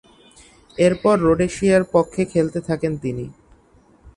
এরপর রোডেশিয়ার পক্ষে খেলতে থাকেন তিনি।